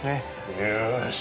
よし。